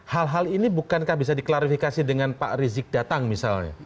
hal hal ini bukankah bisa diklarifikasi dengan pak rizik datang misalnya